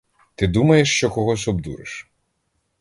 Ти думаєш, що когось обдуриш?